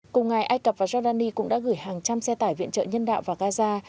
cùng ngày ai cập và giordani cũng đã gửi hàng trăm xe tải viện trợ nhân đạo vào gaza